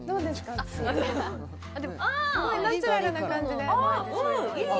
私すごいナチュラルな感じでうんいい！